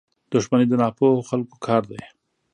• دښمني د ناپوهو خلکو کار دی.